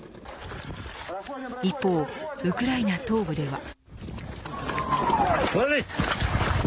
一方、ウクライナ東部では。